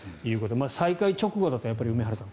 再開直後だと、やっぱり梅原さん